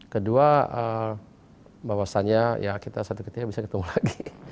kedua bahwasanya ya kita suatu ketika bisa ketemu lagi